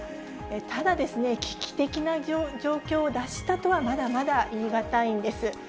ただですね、危機的な状況を脱したとは、まだまだ言い難いんです。